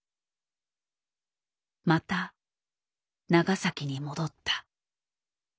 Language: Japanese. また長崎に戻った。